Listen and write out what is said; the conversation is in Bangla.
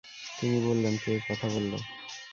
তিনি বললেন, কে কথা বলল?